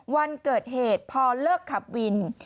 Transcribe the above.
วันเกิดเหตุพอเลิกขับวิน